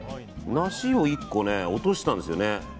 ナシを１個ね落としたんですよね。